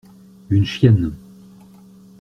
Une chienne.